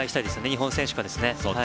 日本選手がですね。